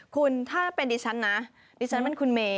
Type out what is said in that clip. คุณถ้าเป็นดิฉันนะดิฉันเป็นคุณเมย